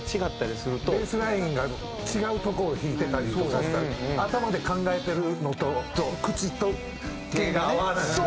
ベースラインが違うとこを弾いてたりとかしたら頭で考えてるのと口と手が合わないよね。